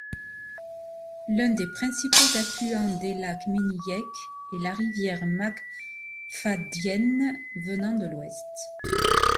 Un des principaux affluents des lacs Menihek est la rivière McPhadyen venant de l'ouest.